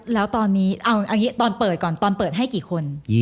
แล้วตอนนี้ตอนเปิดก่อนตอนเปิดให้กี่คน